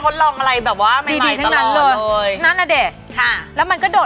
ติดเลส